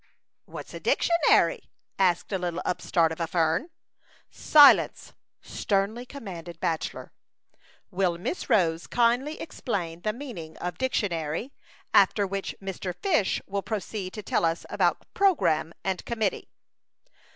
" What's a dictionary ?" asked a little upstart of a fern. " Silence I " sternly commanded Bachelor. "Will Miss Rose kindly explain the meaning of dictionary, after which Mr. Fish will proceed to 34 ^ Chautauqua Idyl. tell us about programme and com mittee."